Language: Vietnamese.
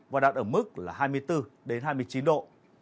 và đạt ở mức là hai mươi bốn hai mươi chín độ